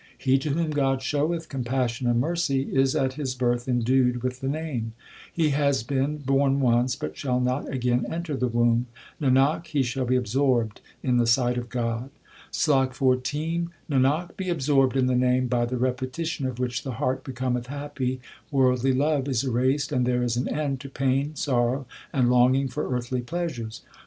He to whom God showeth compassion and mercy, Is at his birth endued with the Name ; He has been born once, but shall not again enter the womb ; Nanak, he shall be absorbed in the sight of God. SLOK XIV Nanak, be absorbed in the Name by the repetition of which the heart becometh happy, worldly love is erased, And there is an end to pain, sorrow, and longing for earthly pleasures.